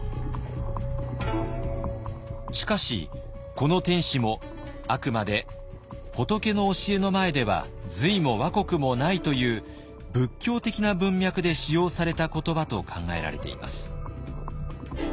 しかしこの「天子」もあくまで「仏の教えの前では隋も倭国もない」という仏教的な文脈で使用された言葉と考えられています。